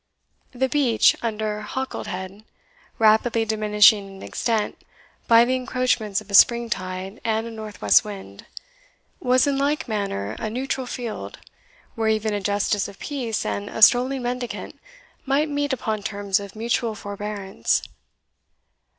The beach under Halket head, rapidly diminishing in extent by the encroachments of a spring tide and a north west wind, was in like manner a neutral field, where even a justice of peace and a strolling mendicant might meet upon terms of mutual forbearance.